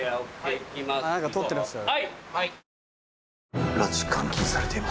何か撮ってらっしゃる。